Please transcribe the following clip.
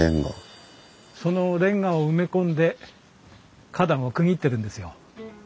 そのレンガを埋め込んで花壇を区切ってるんですよ。